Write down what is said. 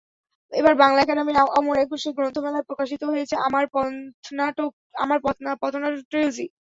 এবার বাংলা একাডেমির অমর একুশে গ্রন্থমেলায় প্রকাশিত হয়েছে আমার পথনাটক ট্রিলজি।